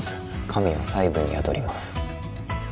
神は細部に宿ります